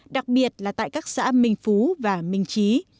đặc biệt là tại các xã minh phú và minh trí